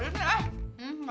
buat mini aja semuanya